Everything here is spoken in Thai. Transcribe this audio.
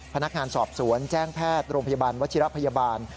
พนักงานสอบสวนแจ้งแพทย์โรงพยาบาลวัชิระพยาบาล